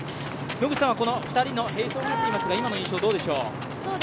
野口さんはこの２人の、並走になっていますが今の印象はどうでしょう？